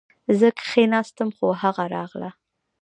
زه کښېناستم خو هغه راغله